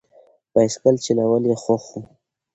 بایسکل چلول یې خوښ و.